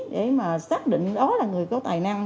để mà xác định đó là người có tài năng